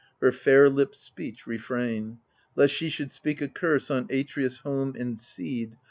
Her fair lips' speech refrain, Lest she should speak a curse on Atreus' home and seed.